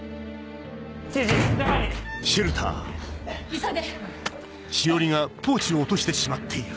急いで！